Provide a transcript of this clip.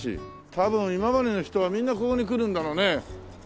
多分今治の人はみんなここに来るんだろうね。